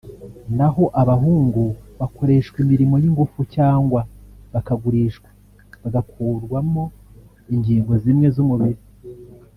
naho abahungu bakoreshwa imirimo y’ingufu cyangwa bakagurishwa bagakurwamo ingingo zimwe z’umubiri